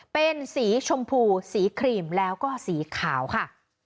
เป็นสีชมพูสีครีมแล้วก็สีขาวค่ะ